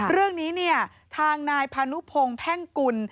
เรื่องนี้เนี่ยทางนายพานุพงศ์แพ่งกุล